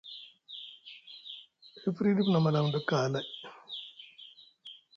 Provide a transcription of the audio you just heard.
E firyi ɗif ma maalam ɗa kaalay.